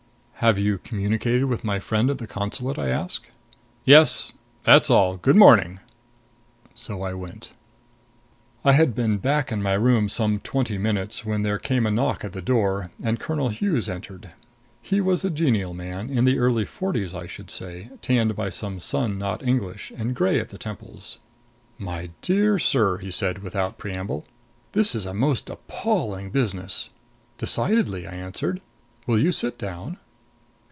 "Have you communicated with my friend at the consulate?" I asked. "Yes. That's all. Good morning." So I went. I had been back in my room some twenty minutes when there came a knock on the door, and Colonel Hughes entered. He was a genial man, in the early forties I should say, tanned by some sun not English, and gray at the temples. "My dear sir," he said without preamble, "this is a most appalling business!" "Decidedly," I answered. "Will you sit down?"